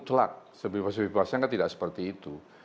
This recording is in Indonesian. yang mudlak sebebas bebasan kan tidak seperti itu